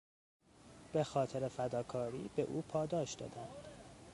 به خاطر فداکاری به او پاداش دادند.